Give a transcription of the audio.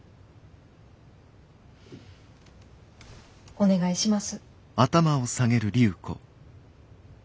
お願いします。